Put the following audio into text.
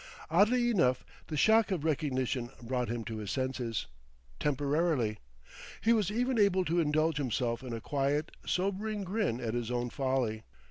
Oddly enough, the shock of recognition brought him to his senses, temporarily. He was even able to indulge himself in a quiet, sobering grin at his own folly.